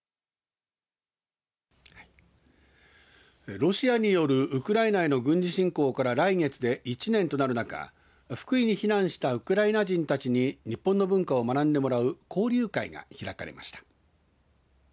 ロシアによるウクライナへの軍事侵攻から来月で１年となる中福井に避難したウクライナ人たちに日本の文化を学んでもらう交流会が開かれました。